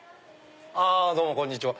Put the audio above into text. どうもこんにちは。